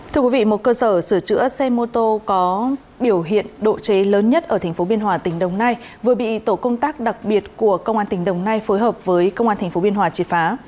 thưa quý vị một cơ sở sửa chữa xe mô tô có biểu hiện độ chế lớn nhất ở tp biên hòa tỉnh đồng nai vừa bị tổ công tác đặc biệt của công an tỉnh đồng nai phối hợp với công an tp biên hòa triệt phá